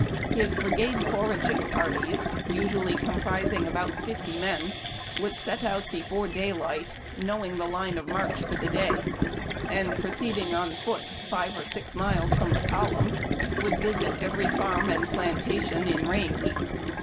His brigade foraging parties, usually comprising about fifty men, would set out before daylight, knowing the line of march for the day, and, proceeding on foot five or six miles from the column, visit every farm and plantation in range.